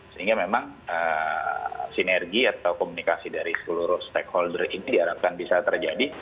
sehingga memang sinergi atau komunikasi dari seluruh stakeholder ini diharapkan bisa terjadi